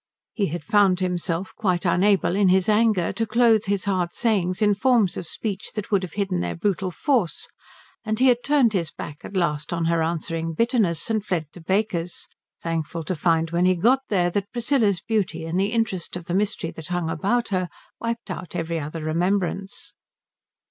He had found himself quite unable in his anger to clothe his hard sayings in forms of speech that would have hidden their brutal force, and he had turned his back at last on her answering bitterness and fled to Baker's, thankful to find when he got there that Priscilla's beauty and the interest of the mystery that hung about her wiped out every other remembrance.